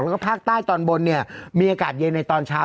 แล้วก็ภาคใต้ตอนบนเนี่ยมีอากาศเย็นในตอนเช้า